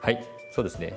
そうですね。